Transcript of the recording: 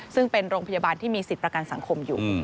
ซึ่งเป็นโรงพยาบาลที่มีสิทธิ์ประกันสังคมอยู่